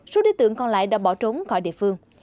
số đối tượng còn lại đã bỏ trốn khỏi địa phương